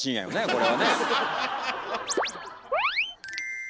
これはね。